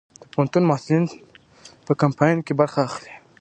د پوهنتون محصلین په کمپاین کې برخه اخلي؟